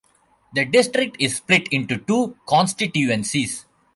The district is split into two constituencies.